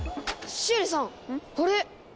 シエリさんあれ！